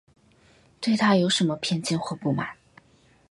对她有什么偏见或不满